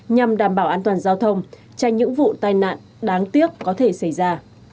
nhằm đảm bảo an toàn giao thông tránh những vụ tai nạn đáng tiếc có thể xảy ra